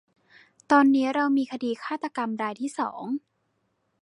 ตอนนี้เรามีคดีฆาตกรรมรายที่สอง